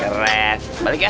keren balik ya